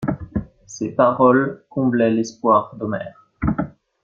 Ses paroles comblaient l'espoir d'Omer.